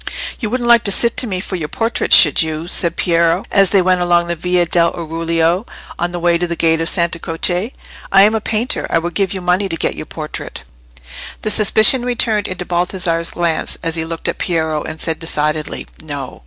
"You wouldn't like to sit to me for your portrait, should you?" said Piero, as they went along the Via dell' Oriuolo, on the way to the gate of Santa Croce. "I am a painter: I would give you money to get your portrait." The suspicion returned into Baldassarre's glance, as he looked at Piero, and said decidedly, "No."